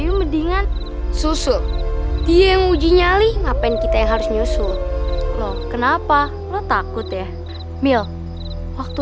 yuk mendingan susul dia yang uji nyali ngapain kita harus nyusul loh kenapa takut ya mil waktu